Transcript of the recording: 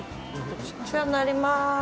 お世話になります。